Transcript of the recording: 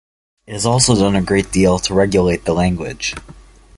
It has also done a great deal to regulate the language.